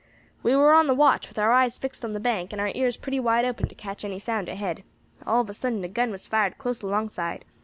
"We war on the watch, with our eyes fixed on the bank, and our ears pretty wide open to catch any sound ahead. All of a sudden a gun was fired close alongside.